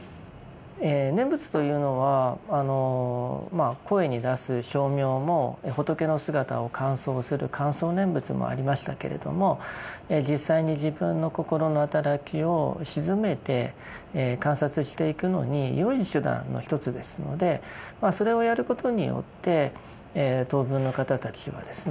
念仏というのは声に出す唱名も仏の姿を観相する観想念仏もありましたけれども実際に自分の心の働きを静めて観察していくのによい手段の一つですのでそれをやることによって「等分」の方たちはですね